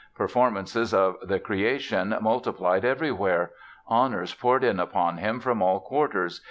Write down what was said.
Performances of "The Creation" multiplied everywhere. Honors poured in upon him from all quarters.